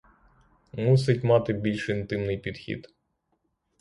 Мусить мати більш інтимний підхід.